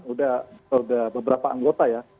sudah beberapa anggota ya